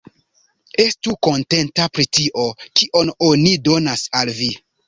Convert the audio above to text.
Estu kontenta pri tio, kion oni donas al vi!